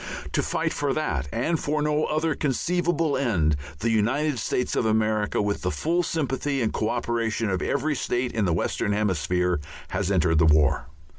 To fight for that and for no other conceivable end, the United States of America, with the full sympathy and co operation of every state in the western hemisphere, has entered the war.